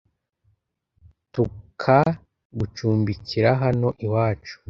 tukagucumbikira hano i wacu